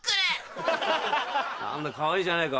何だかわいいじゃないか。